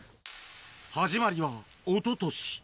始まりはおととし。